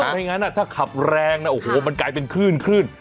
ไม่งั้นถ้าขับแรงนะโอ้โหมันกลายเป็นคลื่นคลื่น